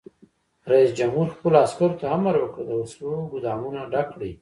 رئیس جمهور خپلو عسکرو ته امر وکړ؛ د وسلو ګودامونه ډک کړئ!